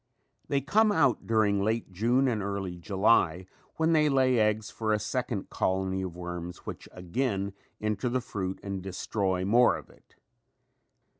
They come out during late June and early July when they lay eggs for a second colony of worms which again enter the fruit and destroy more of it.